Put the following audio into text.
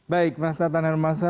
baik mas tata narmasa